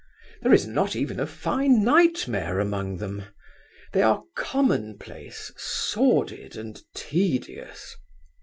There is not even a fine nightmare among them. They are commonplace, sordid and tedious.